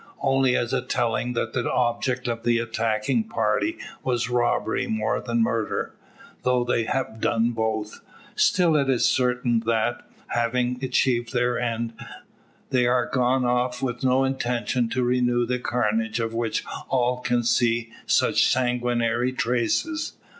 Only as telling that the object of the attacking party was robbery more than murder; though they have done both. Still it is certain, that, having achieved their end, they are gone off with no intention to renew the carnage of which all can see such sanguinary traces.